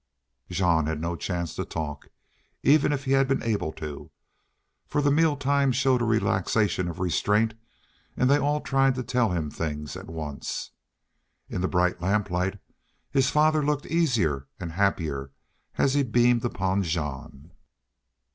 Jean had no chance to talk, even had he been able to, for the meal time showed a relaxation of restraint and they all tried to tell him things at once. In the bright lamplight his father looked easier and happier as he beamed upon Jean.